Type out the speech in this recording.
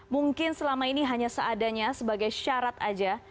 mungkin selama ini hanya seadanya sebagai syarat saja